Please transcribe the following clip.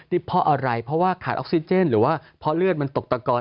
นี่เพราะอะไรเพราะว่าขาดออกซิเจนหรือว่าเพราะเลือดมันตกตะกอน